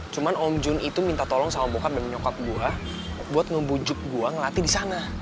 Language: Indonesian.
cuma om jun itu minta tolong sama bokar dan nyokap gue buat ngebujuk gua ngelatih di sana